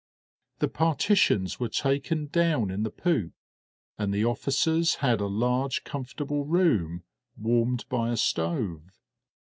The partitions were taken down in the poop, and the officers had a large comfortable room, warmed by a stove.